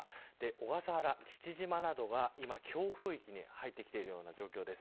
小笠原、父島などが強風域に入ってきている状況です。